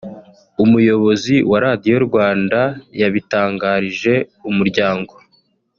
Umuyobozi wa Radio Rwanda yabitangarije Umuryango